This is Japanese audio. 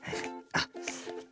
あっ。